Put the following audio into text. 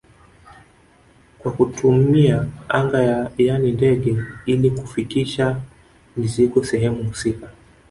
Kwa kutumia anga yani ndege ili kufikisha mizigo sehemu husika